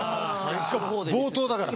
しかも冒頭だから。